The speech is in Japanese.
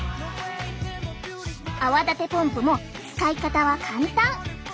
泡立てポンプも使い方は簡単。